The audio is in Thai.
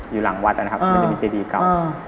อยู่หลังวัดนะครับมันจะมีเจดีเก่า